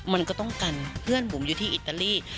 มันก็ต้องกันเพื่อนบุ๋มอยู่ที่อิตาลี